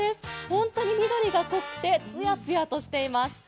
本当に緑が濃くて艶々としています。